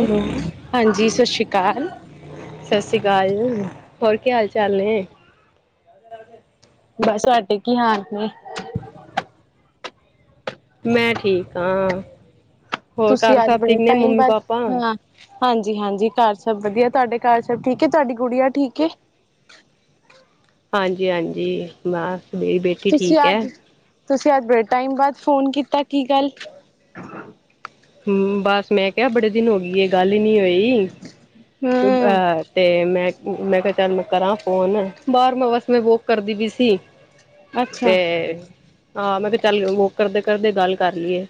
Hello ਹਾਂਜ ਸਸਰੀ ਕਾਲ। ਸਸਰੀ ਕਾਲ ਹੋਰ ਕੇ ਹਾਲ ਚਾਲ ਨੇ। [inaudible] ਬਸ ਸਾਡੇ ਕੀ ਹਾਂ ਕੀ ਨੀ ਮੈਂ ਠੀਕ ਆ ਹੋਰ ਤੁਸੀਂ ਘਰ ਅੱਜ ਸਭ ਬੜੇ ਠੀਕ ਨੇ ਟਾਈਮ ਮੰਮੀ ਬਾਅਦ ਪਾਪਾ। ਹਾਂ ਹਾਂਜੀ! ਹਾਂਜੀ! ਘਰ ਸਭ ਵਧੀਆ। ਤੁਹਾਡੇ ਘਰ ਸਭ ਠੀਕ ਏ, ਤੁਹਾਡੀ ਗੁਡੀਆਂ ਠੀਕ ਏ। ਹਾਂਜੀ ਹਾਂਜੀ ਬਾਸ ਮੇਰੀ ਬੇਟੀ ਤੁਸੀਂ ਠੀਕ ਹੈ। ਅੱਜ ਤੁਸੀਂ! ਅੱਜ ਬੜੇ ਟਾਈਮ ਬਾਅਦ ਫੋਨ ਕੀਤਾ ਕੀ ਗੱਲ? ਹੂੰ ਬਸ ਮੈਂ ਕਿਹਾ ਬੜੇ ਦਿਨ ਹੋ ਗਈ ਐ ਗੱਲ ਹੀ ਨੀ ਹੋਈ। ਹੂੰ! ਅਹ ਤੇ ਮੈਂ, ਮੈਂ ਕਿਹਾ ਚੱਲ ਮੈਂ ਕਰਾਂ ਫੋਨ, ਬਾਰ ਮੈਂ ਬਸ ਮੈਂ ਵੋਕ ਕਰਦੀ ਵੀ ਸੀ। ਤੇ ਅੱਛਾ ਆ, ਮੈਂ ਕਿਹਾ ਚੱਲ ਵੋਕ ਕਰਦੇ-ਕਰਦੇ ਗੱਲ ਕਰ ਲਈਏ।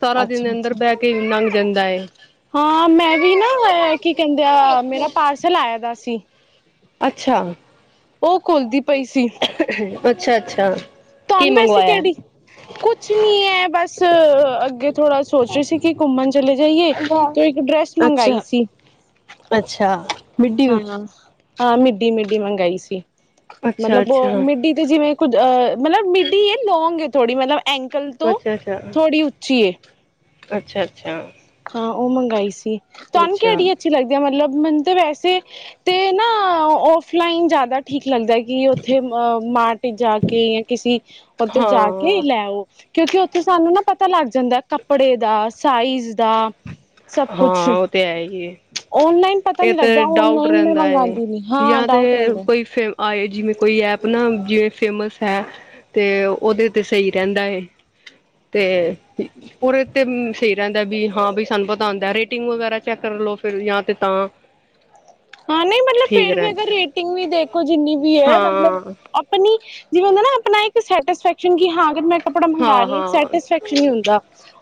ਸਾਰਾ ਦਿਨ ਅੱਛਾ ਅੰਦਰ ਅੱਛਾ ਬਹਿ ਕੇ ਵੀ ਲੰਘ ਜਾਂਦਾ ਏ। ਹਾਂ ਮੈਂ ਵੀ ਨਾ ਐ ਕੀ ਕਹਿੰਦੇ ਆ ਮੇਰਾ ਪਾਰਸਲ ਆਇਆਂ ਦਾ ਸੀ। ਅੱਛਾ! ਉਹ ਘੁਲਦੀ ਪਈ ਸੀ। ਅੱਛਾ-ਅੱਛਾ ਧੰਨ ਵੈਸੇ ਕਿਹੜੀ ਕੁਛ ਨੀ ਏ ਬਸ ਅੱਗੇ ਥੋੜਾ ਸੋਚ ਰਹੇ ਸੀ ਕਿ ਘੁੰਮਣ ਚਲੇ ਜਾਈਏ। ਤੋਂ ਇੱਕ ਡਰੈਸ ਮੰਗਾਈ ਅੱਛਾ ਸੀ। ਅੱਛਾ ਮਿੱਡੀ ਹਾਂ, ਹਾਂ ਮਿੱਡੀ-ਮਿੱਡੀ ਮੰਗਾਈ ਸੀ ਅੱਛਾ ਮਤਲਬ ਅ ਅੱਛਾ ਮਿੱਡੀ ਤੇ, ਜਿਵੇਂ ਕੁੱਝ ਅ ਮਤਲਬ ਮਿਡੀ ਏ ਲੌਂਗ ਏ ਥੋੜੀ ਮਤਲਬ ਐਂਕਲ ਤੋਂ ਥੋੜੀ ਉ ਚੀ ਏ। ਅੱਛਾ-ਅੱਛਾ ਹਾਂ ਓ ਮੰਗਾਈ ਸੀ ਤੁਹਾਨੂੰ ਅੱਛਾ ਕੇਹੜੀ ਲੱਗਦੀ ਮਤਲਬ ਮੈਨ ਤੇ ਵੈਸੇ ਤੇ ਨਾ ਔਫਲਾਈਨ ਜ਼ਾਦਾ ਠੀਕ ਲੱਗਦਾ। ਕਿ ਉੱਥੇ ਅ ਮਾਰਟ ਜਾ ਕੇ ਜਾਂ ਕਿਸੀ ਉੱਥੇ ਜਾ ਕੇ ਹਾਂ ਲੈਓ। ਕਿਉਂਕਿ ਉੱਥੇ ਸਾਨੂੰ ਨਾ ਪਤਾ ਲੱਗ ਜਾਂਦਾ ਕੱਪੜੇ ਦਾ ਸਾਈਜ਼ ਹਾਂ ਸਭ ਕੁਛ ਹਾਂ ਉਹ ਤੇ ਹੈ ਹੀ ਹੈ ਔਨਲਾਈਨ ਪਤਾ ਨੀ ਇਹ ਲੱਗਦਾ ਤੇ ਡਾਊਟ ਔਨਲਾਈਨ ਮੈਂ ਰਹਿੰਦਾ ਹੈ ਮੰਗਵਾਉਂਦੀ ਨੀ, ਹਾਂ ਜਾਂ ਤੇ ਡਾਊਟ ਰਹਿੰਦਾ। ਕੋਈ ਫੇ ਆਏ ਜਿਵੇਂ ਕੋਈ ਐਪ ਨਾ ਜਿਵੇਂ ਫੇਮਸ ਹੈ ਤੇ ਓਦੇ ਤੇ ਸਈ ਰਹਿੰਦਾ ਏ ਤੇ ਉਰੇ ਤੇ ਸਈ ਰਹੰਦਾ ਵੀ ਹਾਂ ਬਸ ਸਾਨੂੰ ਪਤਾ ਹਉਂਦਾ ਰੇਟਿੰਗ ਵਗੈਰਾ ਚੈੱਕ ਕਰ ਲੋ ਫੇਰ ਯਾ ਤੇ ਤਾਂ ਹਾਂ ਨੀ ਮਤਲਬ ਠੀਕ ਫੇਰ ਵੀ ਅਗਰ ਰਹਿੰਦਾ ਰੇਟਿੰਗ ਵੀ ਦੇਖੋ ਜਿੰਨੀ ਵੀ ਹੈ ਮਤਲਬ ਹਾਂ ਅਪਣੀ ਜਿਵੇਂ ਹੁੰਦਾ ਨਾਂ ਆਪਣਾ ਇੱਕ ਸੈਟਸਫੈਕਸਣ ਕੀ ਹਾਂ ਅਗਰ ਮੈਂ ਕਪੜਾ ਮਗਾ ਹਾਂ ਰਹੀ ਆ ਇਕ ਹਾਂ ਸੈਟਿਸਫੈਕਸ਼ਨ ਨਹੀਂ ਹੁੰਦਾ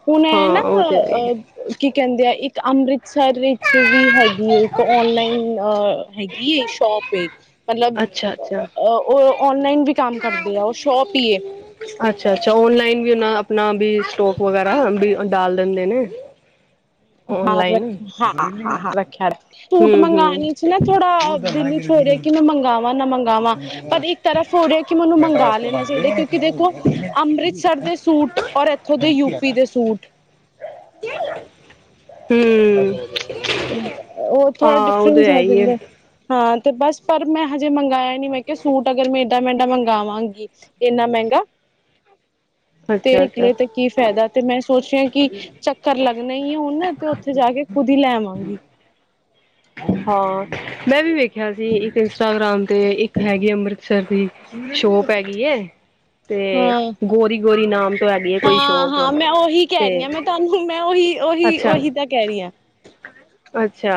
ਹੁਣ ਐ ਨਾ ਹਾਂ ਉਹ ਤੇ ਹੈ ਹੀ ਅ ਕੀ ਕਹਿੰਦੇ ਆ ਇੱਕ ਅੰਮ੍ਰਿਤਸਰ ਵਿਚ ਵੀ ਹੈਗੀ ਹੈ ਇੱਕ ਔਨਲਾਈਨ ਆ ਹ ਹੈਗੀ ਏ, ਸ਼ੋਪ ਏ, ਮਤਲਬ ਅੱਛਾ ਅ ਅੱਛਾ ਹ ਉਹ ਔ ਔਨਲਾਈਨ ਵੀ ਕੰਮ ਕਰਦੇ ਆ ਉਹ ਸ਼ੋਪ ਹੀ ਏ। ਅੱਛਾ-ਅੱਛਾ ਓਨਲਾਈਨ ਵੀ ਓਨਾ ਆਪਣਾ ਬੀ ਸਟੋਕ ਵਗੈਰਾ ਡਾਲ ਦਿੰਦੇ ਨੇ। ਹਾਂ ਔਨਲਾਈਨ ਰੱਖਿਆ ਹਾਂ-ਹਾਂ, ਹਾਂ ਰੱਖਿਆ ਸੂਟ ਹੂੰ ਹੂੰ ਮਗਾਨ ਚ ਨਾ ਥੋੜਾ ਦਿੱਲ ਚ ਹੋ ਰਹੇ ਕਿ ਮੈ ਮੰਗਾਵਾਂ ਨਾ ਮੰਗਾਵਾਂ ਪਰ ਇੱਕ ਤਰਫ਼ ਹੋ ਰਿਹਾ ਕਿ ਮੈਨੂੰ ਮੰਗਾ ਲੈਣਾ ਚਾਹੀਦਾ ਕਿਉਂਕਿ ਕਿ ਦੇਖੋ ਅੰਮ੍ਰਿਤਸਰ ਦੇ ਸੂਟ ਔਰ ਇੱਥੋਂ ਦੇ ਯੂਪੀ ਦੇ ਸੂਟ। ਹੂੰ! ਉਹ ਥੋੜਾ ਹਾਂ ਉਹ ਤੇ ਡਿਫਰੈਂਸ ਹੈ ਆ ਹੀ ਹੈ ਜਾਂਦਾ ਹਾ ਤੇ ਬਸ ਪਰ ਮੈਂ ਹਜੇ ਮੰਗਾਇਆ ਨਹੀਂ ਮੈਂ ਕਿਹਾ ਸੂਟ ਅਗਰ ਮੈਂ ਏਦਾ ਮੈਂਡਾ ਮੰਗਾਵਾਂਗੀ ਏਨਾ ਮਹਿੰਗਾ। ਤੇ ਅੱਛਾ ਅੱਛਾ ਨਿਕਲੀ ਤੇ ਕੀ ਫੈਦਾ ਤੇ ਮੈਂ ਸੋਚ ਰਹੀ ਆ ਕੀ ਚੱਕਰ ਲੱਗਣਾ ਹੀ ਏ ਹੁਣ, ਤੇ ਉੱਥੇ ਜਾ ਕੇ ਖੁਦ ਹੀ ਲੈ ਆਵਾਂਗੀ। ਹਾਂ ਮੈਂ ਵੀ ਵੇਖਿਆ ਸੀ ਇੱਕ ਇੰਸਟਾਗ੍ਰਾਮ ਤੇ ਇੱਕ ਹੈਗੀ ਅੰਮ੍ਰਿਤਸਰ ਦੀ ਸ਼ੋਪ ਹੈਗੀ ਏ ਤੇ ਹਾਂ ਗੋਰੀ-ਗੋਰੀ ਨਾਮ ਤੋਂ ਹੈਗੀ ਹੈ ਕੋਈ ਸ਼ੋਪ ਹਾਂ-ਹਾਂ ਮੈਂ ਓਹੀ ਕਹ ਤੇ ਰੀ ਹਾਂ ਮੈਂ ਤੁਹਾਨੂੰ ਮੈਂ ਉਹੀ-ਉਹੀ, ਅੱਛਾ ਓਹੀ ਤਾਂ ਕਹਿ ਰਹੀ ਹਾਂ। ਅੱਛਾ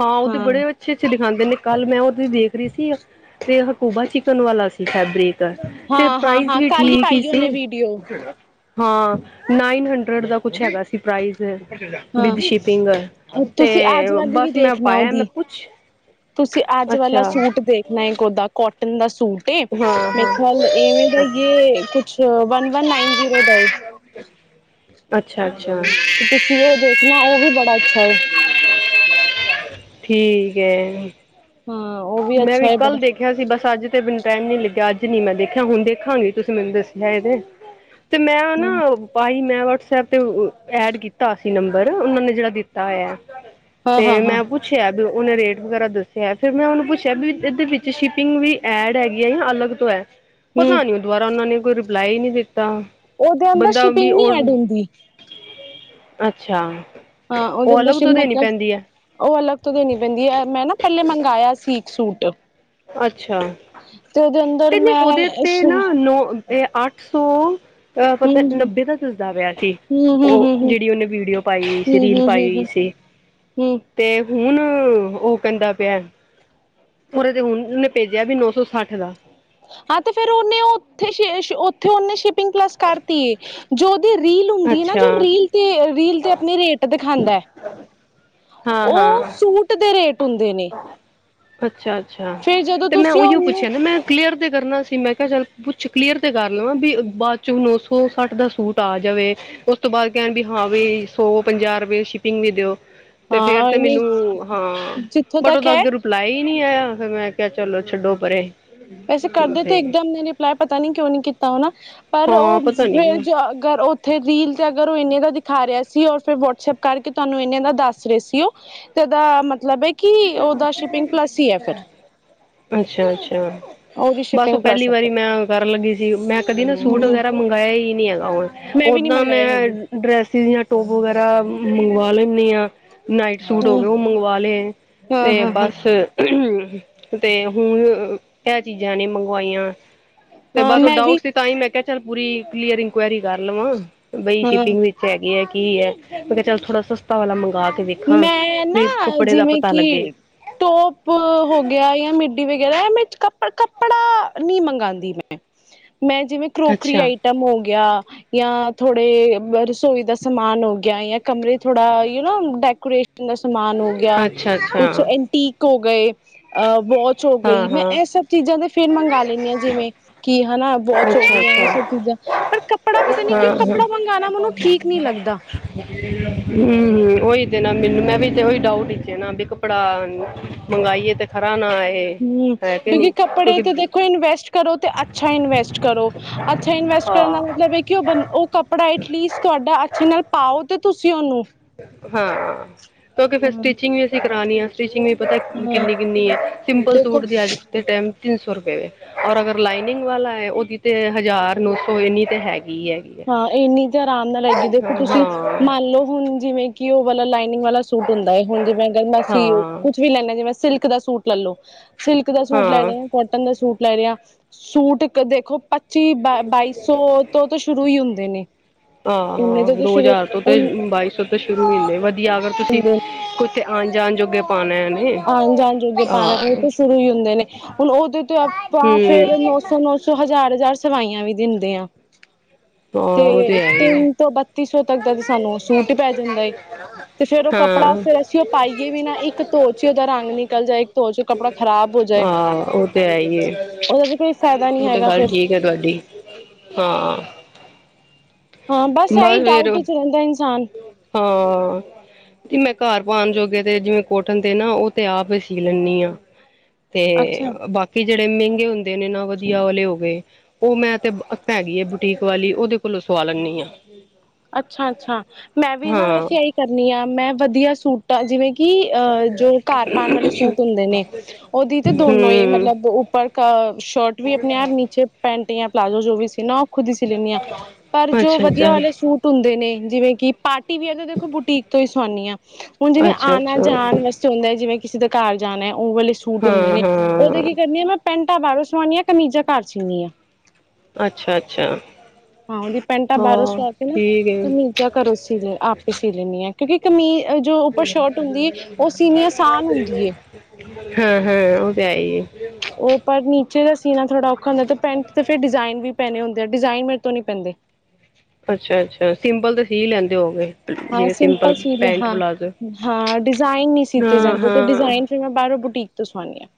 ਹਾਂ ਉਹਤੇ ਬੜੇ ਅੱਛੇ-ਅੱਛੇ ਦਿਖਾਂਦੇ ਨੇ ਕੱਲ ਮੈਂ ਉਹਤੇ ਦੇਖ ਰੀ ਸੀ ਤੇ ਹਕੂਬਾ ਚਿਕਨ ਵਾਲਾ ਸੀ ਫੈਬਰਿਕ। ਤੇ ਪ੍ਰਾਈਜ਼ ਹਾਂ-ਹਾਂ-ਹਾਂ ਵੀ ਕੱਲ ਹੀ ਠੀਕ ਈ ਪਾਈ ਉਹਨੇ ਸੀ। ਵੀਡੀਓ ਹਾਂ ਨਾਈਨ ਹੰਡਰਡ ਦਾ ਕੁਛ ਹੈਗਾ ਸੀ ਪ੍ਰਾਈਜ਼ ਹਾਂ। ਵਿਦ ਸ਼ਿਪ ਪਿੰਗ ਤੇ ਤੁਸੀਂ ਅੱਜ ਵਾਲੀ ਵੀ ਬਸ ਮੈਂ ਦੇਖਣਾ ਪਾਇਆ ਮੈਂ ਉਹਦੀ। ਕੁਛ ਤੁਸੀਂ ਅੱਜ ਵਾਲਾ ਸੂਟ ਦੇਖਣਾ ਇਕ ਅੋਦਾ ਕੋਟਨ ਦਾ ਸੂਟ। ਤੇ ਹਾਂ ਮੇ ਹਾਂ ਖਿਆਲ ਇਵੇਂ ਦਾ ਏ ਕੁਛ ਵਨ- ਵਨ ਨਾਈਨ ਜ਼ੀਰੋ ਦਾ ਏ। ਅੱਛਾ -ਅੱਛਾ ਤੇ ਤੁਸੀਂ ਉਹ ਦੇਖਣਾ ਉਹ ਵੀ ਬੜਾ ਅੱਛਾ ਏ। ਠੀਕ ਏ ਹਾਂ ਉਹ ਮੈਂ ਵੀ ਅੱਛਾ ਏ ਬੜਾ ਕੱਲ ਦੇਖਿਆ ਸੀ ਬਸ ਅੱਜ ਤੇ ਮੈਨੂੰ ਟੈਮ ਨੀ ਲੱਗਿਆ ਅੱਜ ਨੀ ਮੈਂ ਦੇਖਿਆ ਹੁਣ ਦੇਖਾਂਗੀ ਤੁਸੀਂ ਮੈਨੂੰ ਦੱਸਿਆ ਏ ਤੇ ਤੇ ਮੈਂ ਹਾਂ। ਨਾ ਭਾਈ ਮੈਂ ਵਟਸਐਪ ਤੇ ਐਡ ਕੀਤਾ ਸੀ ਨੰਬਰ ਉਹਨਾਂ ਨੇ ਜਿਹੜਾ ਦਿੱਤਾ ਹੋਇਆ। ਤੇ ਹਾਂ-ਹਾਂ-ਹਾਂ ਮੈਂ ਪੁੱਛਿਆ ਵੀ ਉਹਨੇ ਰੇਟ ਵਗੈਰਾ ਦੱਸਿਆ ਫੇਰ ਮੈਂ ਉਹਨੂੰ ਪੁੱਛਿਆ ਵੀ ਇਦੇ ਵਿੱਚ ਸ਼ਿਪਿੰਗ ਵੀ ਐਡ ਹੈਗੀ ਏ ਜਾਂ ਅਲੱਗ ਤੋਂ ਹੈ ਹੂੰ ਪਤਾ ਨਹੀਂ ਦੁਬਾਰਾ ਓਨਾਂ ਨੇ ਕੋਈ ਰਿਪਲਾਈ ਨੀਂ ਦਿੱਤਾ ਉਹਦੇ ਅੰਦਰ ਬੰਦਾ ਵੀ ਸ਼ਿਪਿੰਗ ਨੀ ਓ ਐਡ ਹੁੰਦੀ ਅੱਛਾ ਉਹ ਅਲੱਗ ਤੋਂ ਦੇਣੀ ਪੈਂਦੀ ਹੈ [unintelligible] ਉ ਅਲੱਗ ਤੋਂ ਦੇਣੀ ਪੈਂਦੀ ਏ ਮੈਂ ਨਾ ਪਹਿਲੇ ਮੰਗਇਆ ਸੀ ਇੱਕ ਸੂਟ ਅੱਛਾ ਤੇ ਉਹਦੇ ਅੰਦਰ ਤੇ ਨੀ ਮੈਂ ਉਹਦੇ ਤੇ ਨਾ ਹਮ ਨੋ ਇਹ ਅੱਠ ਸੌ ਅਹ ਪਤਾ ਹਮ ਨੱਬੇ ਦਾ ਦਿਸਦਾ ਪਿਆ ਸੀ। ਹਮ ਹਮ ਉਹ ਜਿਹੜੀ ਹਮ ਉਹਨੇ ਵੀਡੀਓ ਪਾਈ ਹੋਈ ਸੀ ਰੀਲ ਪਾਈ ਹੋਈ ਸੀ। ਹੂੰ ਤੇ ਹੁਣ ਉਹ ਕਹਿੰਦਾ ਪਿਆ। ਉਹਦੇ ਤੇ ਹੁਣ ਉਹਨੇ ਭੇਜਿਆ ਵੀ ਨੌਸੋ ਸੱਠ ਦਾ। ਆ ਤੇ ਫਿਰ ਉਹਨੇ ਉਥੇ ਸ਼ ਏਸ਼ ਉਥੇ ਉਹਨੇ ਸ਼ਿਪਿੰਗ ਕਲਾਸ ਕਰ ਦਿਤੀਏ ਜੋ ਰੀਲ ਹੁੰਦੀ ਹੈ ਨਾ ਅੱਛਾ ਜੋ ਰੀਲ ਤੇ ਰੀਲ ਤੇ ਆਪਣੇ ਰੇਟ ਦਿਖਾਂਦਾ। ਹਾਂ -ਹਾਂ। ਅੱਧੇ ਰੇਟ ਹੁੰਦੇ ਨੇ। ਅੱਛਾ- ਅੱਛਾ ਫੇਰ ਜਦੋਂ ਤੇ ਮੈਂ ਤੁਸੀਂ ਉਹੀਓ ਉਹਨੂੰ ਪੁੱਛਿਆ ਨਾ ਮੈਂ ਕਲੀਅਰ ਤਾਂ ਤੇ ਕਰਨਾ ਸੀ ਮੈਂ ਕਿਹਾ ਚੱਲ ਪੁੱਛ ਕਲੀਅਰ ਤਾਂ ਕਰ ਲਵਾਂ ਵੀ ਬਾਅਦ 'ਚੋਂ ਨੌ ਸੌ ਸੱਠ ਦਾ ਸੂਟ ਆ ਜਾਵੇ। ਉਸ ਤੋਂ ਬਾਅਦ ਕਹਿਣ ਬਈ ਵੀ ਹਾਂ ਬਈ ਸੌ ਪੰਜਾਹ ਰੁਪਏ ਸ਼ਿਪਿੰਗ ਵੀ ਦਿਓ। ਤੇ ਫਿਰ ਹਾਂ ਤੇ ਨਹੀਂ ਮੈਨੂੰ ਹਾਂ ਜਿੱਥੋਂ ਬਟ ਤੱਕ ਉਹਦਾ ਹੈ ਅੱਗ ਰੂ ਲਾ ਹੀ ਨਹੀਂ ਆਇਆ ਫਿਰ ਮੈਂ ਕਿਹਾ ਚਲੋ ਛੱਡੋ ਪਰੇ ਵੈਸੇ ਕਰਦੇ ਤੇ ਇੱਕਦਮ ਨੇ ਰਿਪਲਾਈ ਪਤਾ ਨੀ ਕਿਉਂ ਨੀ ਕੀਤਾ ਹਨਾ। ਪਰ ਉ ਹਾਂ ਪਤਾ ਫਿਰ ਨੀ ਅਗਰ ਉ ਉਥੇ ਰੀਲ ਤੇ ਅਗਰ ਉ ਇਹਨੇ ਦਾ ਦਿਖਾ ਰਿਹਾ ਸੀ ਔਰ ਫੇਰ ਵਟਸਪ ਕਰਕੇ ਤੁਆਨੂੰ ਇਹਨਾਂ ਦਾ ਦੱਸ ਰੇ ਸੀ ਓ ਤੇ ਓਦਾ ਮਤਲਬ ਏ ਕਿ ਓਦਾ ਸ਼ਿਪਿੰਗ ਪਲੱਸ ਹੀ ਏ ਫਿਰ ਅੱਛਾ -ਅੱਛਾ ਉਹਦੀ ਬਸ ਉ ਸ਼ਿਪਿੰਗ ਪਹਿਲੀ ਪਲੱਸ ਹੈ ਵਾਰੀ ਫਿਰ ਮੈਂ ਕਰਨ ਲੱਗੀ ਸੀ ਮੈਂ ਕਦੀ ਨਾ ਸੂਟ ਹਮ ਵਗੈਰਾ ਮੰਗਾਇਆ ਈ ਨੀ ਹੈਗਾ ਔਨ ਵੀ ਨੀ ਓਦਾਂ ਮੈਂ ਮੰਗਵਾਏ ਹੈਗੇ ਡਰੈਸੀਸ ਟੋਪ ਵਗੈਰਾ ਮੰਗਵਾ ਲੈਂਨੀ ਆ ਨਾਈਟ ਸੂਟ ਹੋ ਗਏ ਹਮ ਓ ਮੰਗਵਾ ਲੈ ਹਾਂ ਤੇ ਹਾਂ ਹਾਂ ਬਸ ਹਾਂ [inaudible] ਤੇ ਹੁਣ ਏ ਚੀਜ਼ਾਂ ਨੀ ਮੰਗਵਾਈਆਂ ਤੇ ਹਾਂ ਬਸ ਉ ਮੈਂ ਵੀ ਡਾਊਟ ਤਾਂ ਈ ਮੈਂ ਕਿਆ ਚੱਲ ਪੂਰੀ ਕਲੀਅਰ ਇਨਕੁਆਇਰੀ ਕਰ ਲਵਾਂ ਬਈ ਹਾਂ ਸ਼ਿਪਿੰਗ ਵਿੱਚ ਹੈਗੇ ਏ ਕੀ ਹੈ ਮੈਂ ਕਿਆ ਚੱਲ ਥੋੜਾ ਸਸਤਾ ਵਾਲਾ ਮੰਗਵਾ ਕੇ ਦੇਖ ਮੈਂ ਨਾ ਜਿਵੇਂ ਕਿ ਟੌਪ ਹੋ ਗਿਆ ਯਾ ਮਿੱਡੀ ਵਗੈਰਾ ਇਹ ਮੈਂ ਕੱਪ ਕੱਪੜਾ ਨਹੀ ਮਗਾਂਦੀ ਮੈਂ ਮੈਂ ਜਿਵੇਂ ਕਰੋਕਰੀ ਅੱਛਾ ਆਈ। ਖਤਮ ਹੋ ਗਿਆ ਯਾ ਥੋੜੇ ਰਸੋਈ ਦਾ ਸਮਾਨ ਹੋ ਗਿਆ ਯਾ ਕਮਰੇ ਥੋੜਾ ਯੌ ਨਾ ਡੈਕੋਰੇਟ ਦਾ ਸਮਾਨ ਹੋ ਗਿਆ ਅੱਛਾ ਅੱਛਾ ਕੁਛ ਅਈਂ ਠੀਕ ਹੋ ਗਏ ਅ ਵੋਚ ਹੋ ਗਈ ਹਾਂ ਮੈਂ ਹਾਂ ਇਹ ਸਭ ਚੀਜ਼ਾਂ ਤੇ ਫੇਰ ਮੰਗਵਾ ਲੈਂਦੀ ਆਂ ਜਿਵੇ ਕੀ ਹਨਾ ਵੋਚ ਹੋ ਅੱਛਾ ਗਈ ਐਵੇਂ ਅੱਛਾ ਸਭ ਚੀਜ਼ਾਂ ਪਰ ਕੱਪੜਾ ਪਤਾ ਨੀ ਹਾਂ ਕਿਉਂ ਹਾਂ ਕੱਪੜਾ ਮੰਗਾਣਾ ਮੈਨੂੰ ਠੀਕ ਨਹੀਂ ਲੱਗਦਾ। [inaudible] ਹੂੰ ਉਹੀ ਤੇ ਨਾ ਮੈਨੂੰ ਮੈਂ ਵੀ ਤੇ ਉਹੀ ਡਾਊਟ ਇਚੇ ਨਾ ਬਈ ਕ ਕੱਪੜਾ ਮੰਗਈਏ ਤੇ ਖਰਾ ਨਾ ਆਏ। ਹੂੰ, ਕਿਉਂਕਿ ਕੱਪੜੇ ਤੇ ਦੇਖੋ ਇਨਵੈਸਟ ਕਰੋ ਤੇ ਅੱਛਾ ਇਨਵੈਸਟ ਕਰੋ। ਅੱਛਾ ਇਨਵੈਸਟ ਕਰਨ ਨਾ ਹਾਂ ਮਤਲਬ ਇੱਕ ਕਿ ਉਹ ਬ ਉਹ ਕੱਪੜਾ ਐਟਲੀਸਟ ਤੁਹਾਡਾ ਅੱਛਏ ਨਾਲ ਪਾਓ ਤੇ ਤੁਸੀਂ ਉਹਨੂੰ। ਹਾਂ, ਕਿਉਂਕਿ ਫਿਰ ਹਾਂ ਸਟਿਚਿੰਗ ਵੀ ਅਸੀਂ ਕਰਾਣੀ ਆਂ। ਸਟਿਚਿੰਗ ਵੀ ਪਤਾ ਹੂੰ ਕਿੰਨੀ ਕਿੰਨੀ ਹੈ ਸਿੰਪਲ ਦੇਖੋ ਸੂਟ ਦੀ ਅੱਜ ਦੇ ਟਾਈਮ ਤਿੰਨ ਸੌ ਰੁਪਏ ਵੇ। ਔਰ ਅਗਰ ਲਾਈਨਿੰਗ ਵਾਲਾ ਹੈ ਉਹਦੀ ਤੇ ਹਜ਼ਾਰ ਨੋ ਸੌ ਇੰਨੀ ਤੇ ਹੈਗੀ ਏ। ਹਾਂ ਇੰਨੀ ਤਾਂ ਆਰਾਮ ਨਾਲ ਹੇਗੀਏ ਤੁਸੀਂ, ਹਾਂ ਮੰਨ ਲਓ ਹੁਣ ਜਿਵੇਂ ਕਿ ਉਹ ਵਾਲਾ ਲਾਈਨਿੰਗ ਵਾਲਾ ਸੁਟ। ਸੂਟ ਹੁੰਦਾ ਏ ਹੁਣ ਜਿਵੇਂ ਗਰਮੀ ਸੀ ਹਾਂ ਕੁਛ ਵੀ ਲੈਂਨੈ ਹਾਂ ਜਿਵੇਂ ਸਿਲਕ ਦਾ ਸੂਟ ਲੈ ਲੋ। ਸਿਲਕ ਦਾ ਸੂਟ ਲੈ ਹਾਂ ਰਹੀ ਆਂ ਕੋਟਨ ਦਾ ਸੂਟ ਲੈ ਰਹੇ ਆਂ, ਸੂਟ ਕ ਦੇਖੋ। ਪੱਚੀ ਬ ਬਾਈ ਸੌ ਤੋਂ ਤੌ ਸ਼ੁਰੂ ਹੀ ਹੁੰਦੇ ਨੇ ਆਹ ਇੰਨੇ ਤੋਂ ਹਾਂ ਤਾਂ ਦੋ ਸ਼ੁਰੂ ਹਜ਼ਾਰ ਤੋਂ ਤੇ ਹੁੰਦੇ ਬਾਈ ਸੌ ਤੋਂ ਸ਼ੁਰੂ ਹੁਂਦੇ ਵਧੀਆ ਅਗਰ ਤੁਸੀਂ ਨੇ ਕੁ ਆਉਣ ਜਾਣ ਜੋਗੇ ਪਾਣਾ ਉਹ ਤਾਂ ਸ਼ੁਰੂ ਹੀ ਹੁੰਦੇ ਨੇ, ਹੁਣ ਉਹਦੇ ਤੇ ਅਪ ਆਪਾਂ ਹੂੰ ਫੇਰ ਨੌ ਸੌ ਨੌ ਸੌ ਹਜ਼ਾਰ ਹਜ਼ਾਰ ਸਵਾਈਆਂ ਵੀ ਦਿੰਦੇ ਆਂ। ਹਾਂ ਉਹ ਤੇ ਹੈ ਹੀ ਹੈ। ਤਿੰਨ ਤੋਂ ਬਤ ਇਕੱਤੀ ਸੌ ਤੱਕ ਦਾ ਤੇ ਸਾਨੂੰ ਉਹ ਸੂਟ ਹੀ ਪੈ ਜਾਂਦਾ ਏ ਤੇ ਫੇਰ ਉਹ ਹਾਂ ਕੱਪੜਾ ਫੇਰ ਅਸੀਂ ਉਹ ਪਾਈ ਵੀ ਨਾ ਇੱਕ ਧੋ ਚ ਉਹਦਾ ਰੰਗ ਨਿਕਲ ਜਾਏ ਇੱਕ ਧੋ ਚ ਕੱਪੜਾ ਖ਼ਰਾਬ ਹੋ ਜਾਏ। ਹਾਂ ਉਹ ਤੇ ਹੈ ਹੀ ਹੈ ਉਹਦਾ ਵੀ ਕੋਈ ਫਾਇਦਾ ਨਹੀਂ ਉਹ ਤੇ ਹੈਗਾ ਫੇਿਰ ਗੱਲ ਠੀਕ ਐ, ਤੁਹਾਡੀ ਹਾਂ। ਹਾਂ ਬਸ ਇਹੀ ਡਾਊਟ ਚ ਰਹਿੰਦਾ ਇਨਸਾਨ ਹਾਂ ਜ ਮੈਂ ਘਰ ਪਾਉਣ ਜੋਗੇ ਤੇ ਜਿਵੇਂ ਕੋਟਨ ਤੇ ਨਾ ਉਹ ਤੇ ਆਪ ਹੀ ਸੀ ਲੈਂਦੀ ਆ। ਤੇ ਅੱਛਾ ਬਾਕੀ ਜਿਹੜੇ ਮਹਿੰਗੇ ਹੁੰਦੇ ਨੇ ਨਾ ਵਧੀਆ ਵਾਲੇ ਹੋ ਗਏ। ਉਹ ਮੈਂ ਤੇ ਇੱਕ ਹੈਗੀ ਬੁਟੀਕ ਵਾਲੀ ਉਹਦੇ ਕੋਲੋਂ ਸਵਾ ਲੈਂਦੀ ਆ। ਅੱਛਾ, ਖ ਅੱਛਾ ਮੈਂ ਵੀ ਨਾ ਮੈਂ ਏਹੀ ਕਰਨੀ ਆ ਮੈਂ ਵਧੀਆ ਸੂਟਾਂ ਜਿਵੇਂ ਕਿ ਅਹ ਜੋ ਘਰ ਪਾਉਣ ਵਾਲੇ ਸੂਟ ਹੁੰਦੇ ਨੇ, ਉਹਦੀ ਤੇ ਦੋਨੋ ਹੀ ਹਮ ਮਤਲਬ ਪਰ ਸ਼ਰਟ ਵੀ ਆਪਣੇ ਆਪ ਨੀਚੇ ਪੈਂਟ ਜਾਂ ਪਲਾਜ਼ੋ ਜੋ ਵੀ ਸੀ ਨਾ ਉਹ ਖੁਦ ਹੀ ਸੀ ਲੈਂਦੀ ਹਾਂ, ਪਰ ਜੋ ਅੱਛਾ ਵਧੀਆ ਅੱਛਾ ਵਾਲੇ ਸੂਟ ਹੁੰਦੇ ਨੇ, ਜਿਵੇਂ ਕਿ ਪਾਰਟੀਵਿਅਰ ਦੇ ਦੇਖੋ ਬੁਟੀਕ ਤੋਂ ਹੀ ਸਿਵਾਨੀ ਆਂ। ਹੁਣ ਜਿਵੇਂ ਅੱਛਾ ਆਨਾ ਅੱਛਾ ਜਾਣ ਵਾਸੱਤੇ। ਹੁੰਦਾ ਜਿਵੇਂ ਕਿਸੇ ਦੇ ਘਰ ਜਾਣਾ ਉਹ ਵਾਲੇ ਸੂਟ ਹੁੰਦੇ ਹਾਂ ਨੇ ਉਹਦੇ ਹਾਂ ਕੀ ਕਰਨੀ ਆ ਮੈਂ ਪੈਂਟਾਂ ਬਾਹਰੋ ਸਿਵਾਨੀ ਆਂ ਕਮੀਜ਼ਾਂ ਘਰ ਸਿਨੀ ਆਂ। ਅੱਛਾ ਅੱਛਾ ਹਾਂ ਉਹਦੀ ਪੈਂਟਾਂ ਬਾਹਰੋਂ ਹਾਂ ਸਵਾ ਕੇ ਨਾ, ਤੇ ਠੀਕ ਹੈ ਕਮੀਜ਼ਾ ਘਰੋਂ ਸੀ ਆਪ ਤਾਂ ਸੀ ਲੈਂਨੀ ਆਂ। ਕਿਉਂਕਿ ਕਮੀਜ਼ ਜੋ ਉਪਰ ਸ਼ਰਟ ਹੁੰਦੀ ਹੈ ਉਹ ਸੀਨੀ ਆਸਾਨ ਹੁੰਦੀਏ। ਹੈ ਹੈ ਉਹ ਤਾਂ ਐਈ ਏ। ਉਹ ਪਰ ਨੀਚੇ ਦਾ ਸੀਨਾ ਥੋੜ੍ਹਾ ਔਖਾ ਹੁੰਦਾ ਤੇ ਪੈਂਟ ਤੇ ਫੇਰ ਡਿਜ਼ਾਇਨ ਵੀ ਪੈਣੇ ਹੁੰਦੇ ਆ ਡਿਜ਼ਾਇਨ ਮੇਰੇ ਤੋਂ ਨਹੀਂ ਪੈਂਦੇ। ਅੱਛਾ ਅੱਛਾ, ਸਿੰਪਲ ਤੇ ਸੀ ਲੈਂਦੇ ਹੋਉਗੇ। ਹਾਂ ਸਿੰਪਲ ਸੁਟ ਜੇ ਹਾਂ। ਹਾਂ ਡਿਜ਼ਾਇਨ ਨਹੀਂੀ ਸੀਤੇ ਹਾਂ ਜਾਂਦੇ ਤੇ ਹਾਂ ਡਿਜ਼ਾਇਨ ਫੇਿਰ ਮੈਂ ਬਾਹਰੋਂ ਬੁਟੀਕ ਤੋਂ ਸੁਵਾਉਣੀ ਹਾਂ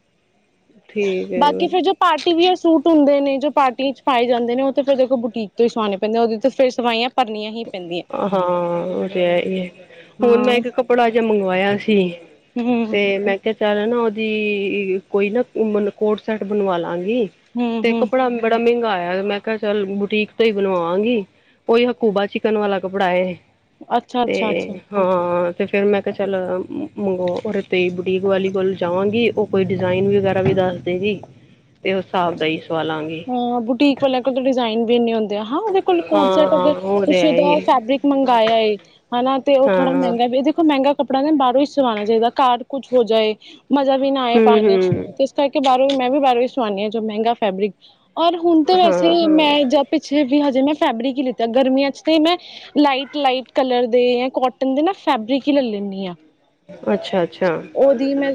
ਠੀਕ ਹੈ ਬਾਕੀ ਫਿਰ ਜੋ ਪਾਰਟੀ ਵੀਯਰ ਸੂਟ ਹੁੰਦੇ ਨੇ ਜੋ ਪਾਰਟੀ ਇਚ ਪਾਏ ਜਾਂਦੇ ਨੇ, ਉਹ ਤਾਂ ਫਿਰ ਦੇਖੋ ਬੁਟੀਕ ਤੋਂ ਹੀ ਸਵਾਉਣੇ ਪੈਂਦੇ ਉਹਦੇ ਤੇ ਫੇਰ ਸਵਾਈਆਂ ਭਰਨੀਆਂ ਹੀ ਪੈਂਦੀਆਂ ਹਾਂ ਉਹ ਤੇ ਹੈ ਹੀ, ਹੁਣ ਮੈਂ ਹਾਂ ਇੱਕ ਕੱਪੜਾ ਜਿਹਾ ਮੰਗਵਾਇਆ ਸੀ। ਹਮ ਤੇ ਮੈਂ ਚਾਰ ਨਾ ਉਹਦੀ ਕੋਈ ਨਾ ਕੋਡ ਸੈਟ ਬਣਵਾ ਲਾਂਗੀ, ਹਮ ਤੇ ਹਮ ਕੱਪੜਾ ਬੜਾ ਮਹਿੰਗਾਇਆ ਮੈਂ ਕਿਹਾ ਚਲ ਬੁਟੀਕ ਤੋਂ ਹੀ ਬਣਵਾਾਂਗੀ, ਉਹੀ ਹਕੂਬਾ ਚ ਤਨ ਵਾਲਾ ਕੱਪੜਾ ਅੱਛਾ ਤੇ ਅੱਛਾ ਅੱਛਾ ਹਾਂ ਤੇ ਫੇਿਰ ਮੈਂ ਕਿਹਾ ਚੱਲ ਮੰਗ ਤੇ ਬੁਟੀਕ ਵਾਲੀ ਕੋਲ ਜਾਵਾਂਗੀ ਉਹ ਕੋਈ ਡਿਜਾਇਨ ਵਗੈਰਾ ਵੀ ਦੱਸ ਦੇਗੀ, ਤੇ ਉਸ ਹਿਸਾਬ ਦਾ ਹੀ ਸਵਾਲਾਂਗੀ। ਹਾਂ ਬੁਟੀਕ ਵਾਲਿਆਂ ਕੋਲ ਤਾਂ ਡਿਜ਼ਾਇਨ ਵੀ ਇਨੇ ਹੁੰਦੇ। ਹਾਂ ਉਹਦੇ ਕੋਲ ਕੋਡ ਹਾਂ ਸੈਟ ਹਾਂ ਅਗਰ ਉਹ ਤੇ ਤੁਸੀਂ ਹੈ ਹੀ ਉਹਦਾ ਫੈਬਰਿਕ ਮੰਗਇਆ ਵੇ। ਹਨਾ ਤੇ ਉਹ ਥੋੜਾ ਹਾਂ। ਮਹਿੰਗਾ ਵੀ ਇਹ ਦੇਖੋ ਮਹਿੰਗਾ ਕੱਪੜਾ ਨਾ ਬਾਹਰੋਂ ਹੀ ਸਵਾਉਣਾ ਚਾਹੀਦਾ ਘਰ ਕੁੱਝ ਹੋ ਜਾਏ। ਮਜ਼ਾ ਵੀ ਨਾ ਆਏ ਹੂੰ ਪਾਉਣ ਚ ਹੂੰ ਤੇ ਇਸ ਕਰਕੇ ਬਾਹਰੋਂ ਹੀ ਮੈਂ ਵੀ ਬਾਹਰੋਂ ਹੀ ਸੁਆਉਂਦੀ ਹਾਂ ਜੋ ਮਹਿੰਗਾ ਫੈਬਰਿਕ ਔਰ ਹੁਣ ਤਾਂ ਵੈਸੇ ਹਾਂ ਮੈਂ ਹਾਂ ਜਾਂ ਪਿੱਛੇ ਵੀ ਹਜੇ ਮੈਂ ਫੈਬਰਿਕ ਹੀ ਲਿੱਤਾ ਗਰਮੀਆਂ ਚ ਤੇ ਮੈਂ ਲਾਈਟ, ਲਾਈਟ ਕਲਰ ਦੇ ਜਾਂ ਕੋਟਨ ਦੇ ਨਾ ਫੈਬਰਿਕ ਹੀ ਲੈ ਲੈਂਦੀ ਹਾਂ। ਅੱਛਾ ਅੱਛਾ ਉਹਦੀ ਮੈਂ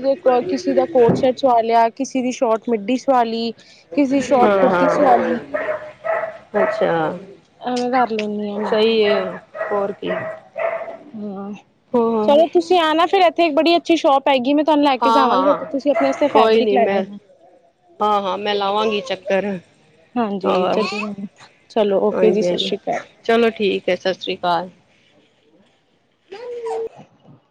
ਕਿਸੇ ਦਾ ਕੋਟਸਟ ਸਵਾ ਲਿਆ। ਕਿਸੇ ਦੀ ਸ਼ੋਟ ਮਿੱਡੀ ਸਵਾਲੀ। [unintelligible] ਹੁਨ ਹਾਂ, ਹਾਂ ਅੱਛਾ ਐਵੇਂ ਕਰ ਲੈਂਦੀ ਹਾਂ ਮੈਂ ਸਹੀ। ਕੀ ਹੋਰ ਕੀ। ਹਮ ਹੂੰ ਚਲੋ ਤੁਸੀਂ ਆਣਾ ਫੇਿਰ ਇੱਥੇ ਬੜੀ ਜੀ ਸ਼ੋਪ ਹੈਗੀ ਮੈਂ ਤੁਹਾਨੂੰ ਲੈ ਕੇ ਹਾਂ ਜਾਵਗੀ ਹਾਂ ਉੱਥੇ ਤੁਸੀਂ ਆਪਣੇ ਵਾਸਤੇ ਕੋਈ ਫੈਬਰਿਕ ਨੀ ਲੈ ਮੈਂ ਜਾਣਾ। ਹਾਂ ਹਾਂ ਮੈਂ ਲਾਵਾਂਗੀ ਚੱਕਰ ਹਾਂਜੀ ਹੋਰ ਚਲੋ ਓਕੇ ਜੀ ਹਾਂਜੀ ਸਤਿ ਹਾਂਜੀ ਸ਼੍ਰੀ ਅਕਾਲ। ਚਲੋ ਠੀਕ ਹੈ ਸਤਿ ਸ਼੍ਰੀ ਅਕਾਲ। [unintelligible]